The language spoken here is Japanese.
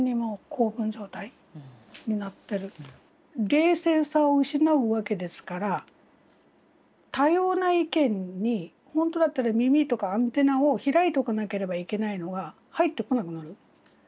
冷静さを失うわけですから多様な意見に本当だったら耳とかアンテナを開いておかなければいけないのが入ってこなくなる。